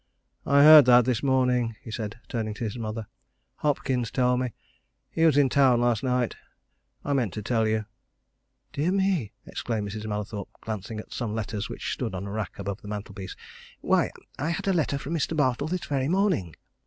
"I heard that, this morning," he said, turning to his mother. "Hopkins told me he was in town last night. I meant to tell you." "Dear me!" exclaimed Mrs. Mallathorpe, glancing at some letters which stood on a rack above the mantelpiece. "Why I had a letter from Mr. Bartle this very morning!"